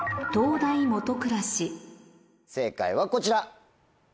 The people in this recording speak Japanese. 正解はこちら。